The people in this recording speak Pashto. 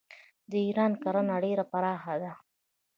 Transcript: د ایران کرنه ډیره پراخه ده.